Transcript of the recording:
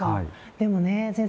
でもね先生